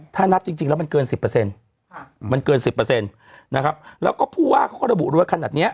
ถ้านับจริงแล้วมันเกิน๑๐มันเกิน๑๐นะครับแล้วก็ผู้ว่าเขาก็ระบุด้วยว่าขนาดเนี้ย